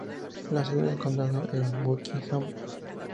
La sede de condado es Buckingham.